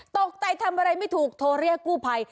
ตกใจทำอะไรไม่ถูกโทรเรียกกู้ภัย